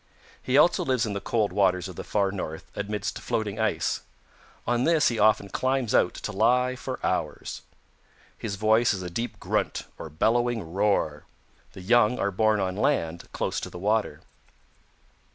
He also lives in the cold waters of the Far North amidst floating ice. On this he often climbs out to lie for hours. His voice is a deep grunt or bellowing roar. The young are born on land close to the water.